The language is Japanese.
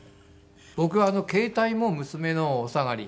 僕は携帯も娘のお下がり。